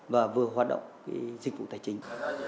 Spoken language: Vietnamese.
và vừa hoạt động dịch vụ tài chính